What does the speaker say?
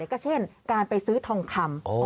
ก็เช่นการไปซื้อทองคำ